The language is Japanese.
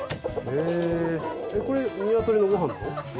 これニワトリのご飯なの？